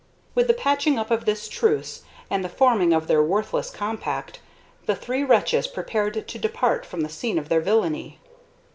With the patching up of this truce and the forming of their worthless compact the three wretches prepared to depart from the scene of their villany.